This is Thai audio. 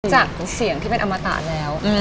จากเสียงที่เป็นอมตะแล้ว